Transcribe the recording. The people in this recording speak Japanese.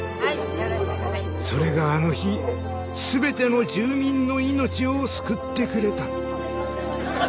それがあの日全ての住民の命を救ってくれた。